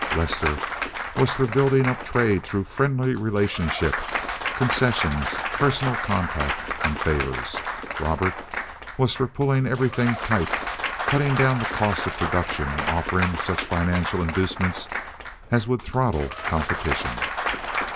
Lester was for building up trade through friendly relationship, concessions, personal contact, and favors. Robert was for pulling everything tight, cutting down the cost of production, and offering such financial inducements as would throttle competition.